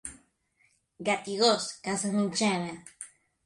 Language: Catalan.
Gat i gos, casa mitjana.